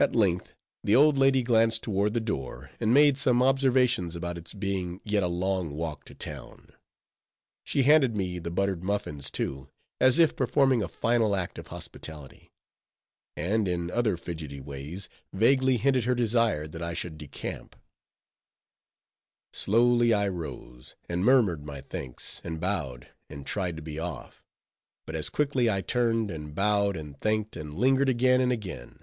At length, the old lady glanced toward the door, and made some observations about its being yet a long walk to town. She handed me the buttered muffins, too, as if performing a final act of hospitality; and in other fidgety ways vaguely hinted her desire that I should decamp. Slowly I rose, and murmured my thanks, and bowed, and tried to be off; but as quickly I turned, and bowed, and thanked, and lingered again and again.